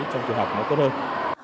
trong trường học nó tốt hơn